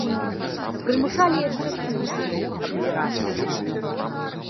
Прымушалі яшчэ пух дзеля іх абдзіраць.